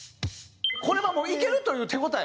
これはもういけるという手応え？